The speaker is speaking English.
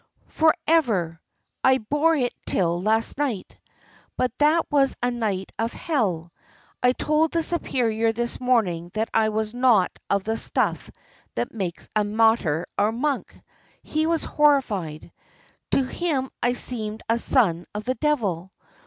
"For ever. I bore it till last night but that was a night of hell. I told the Superior this morning that I was not of the stuff that makes a martyr or a monk. He was horrified. To him I seemed a son of the devil.